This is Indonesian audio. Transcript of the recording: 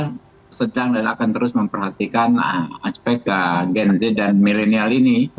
kita sedang dan akan terus memperhatikan aspek gen z dan milenial ini